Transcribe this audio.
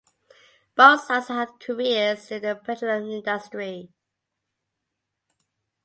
Both sons had careers in the petroleum industry.